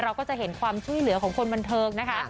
เราก็จะเห็นความช่วยเหลือของคนบันเทิงนะคะ